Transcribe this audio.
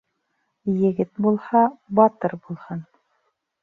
Егет булһа, батыр булһын.